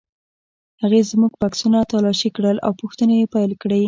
هغې زموږ بکسونه تالاشي کړل او پوښتنې یې پیل کړې.